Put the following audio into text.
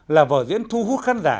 là vở diễn thu hút khán giả